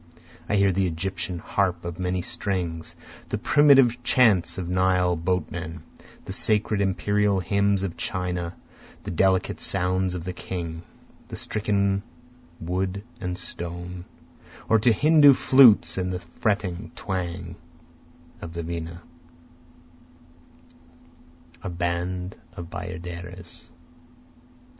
I hear the Egyptian harp of many strings, The primitive chants of the Nile boatmen, The sacred imperial hymns of China, To the delicate sounds of the king, (the stricken wood and stone,) Or to Hindu flutes and the fretting twang of the vina, A band of bayaderes.